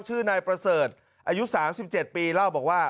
ชื่อนายประเสริฐอายุ๓๗ปีเล่าบอกว่า